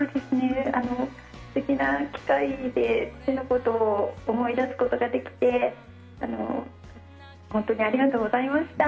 素敵な機会で父のことを思い出すことができて本当にありがとうございました。